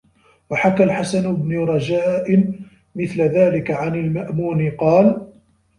وَحَكَى الْحَسَنُ بْنُ رَجَاءٍ مِثْلَ ذَلِكَ عَنْ الْمَأْمُونِ قَالَ